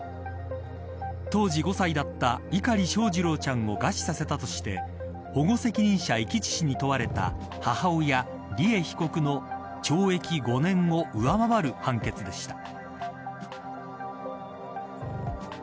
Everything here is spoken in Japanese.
当時５歳だった碇翔士郎ちゃんを餓死させたとして保護責任者遺棄致死に問われた母親、利恵被告の懲役５年を上回る判決でした。